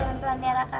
jangan berantem raka